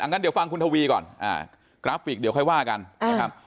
งั้นเดี๋ยวฟังคุณทวีก่อนกราฟิกเดี๋ยวค่อยว่ากันนะครับ